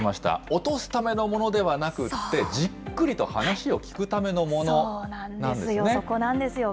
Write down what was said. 落とすためのものではなくて、じっくりと話を聞くためのものなんですね。